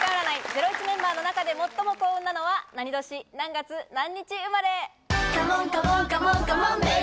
『ゼロイチ』メンバーの中で最も幸運なのは何年、何月、何日生まれ？